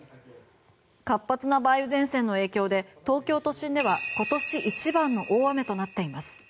活発な梅雨前線の影響で東京都心では今年一番の大雨となっています。